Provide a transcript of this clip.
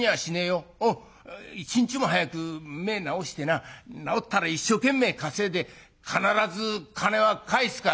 一日も早く目ぇ治してな治ったら一生懸命稼いで必ず金は返すから」。